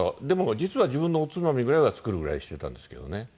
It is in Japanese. でも実は自分のおつまみぐらいは作るぐらいしてたんですけどね。